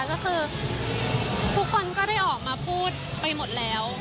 ก็คือทุกคนก็ได้ออกมาพูดไปหมดแล้ว